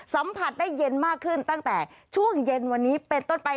สัมผัสได้เย็นมากขึ้นตั้งแต่ช่วงเย็นวันนี้เป็นต้นไป